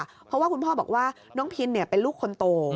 เพราะว่าคุณพ่อบอกว่าน้องพินเป็นลูกคนโต